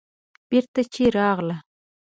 بېرته چې راغله.